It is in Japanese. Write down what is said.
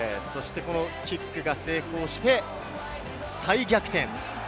キックが成功して再逆転！